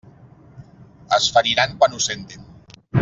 Es feriran quan ho sentin.